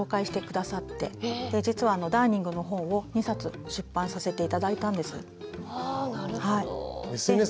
実はダーニングの本を２冊出版させて頂いたんです。